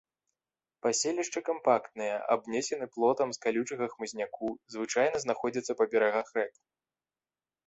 Паселішчы кампактныя, абнесены плотам з калючага хмызняку, звычайна знаходзяцца па берагах рэк.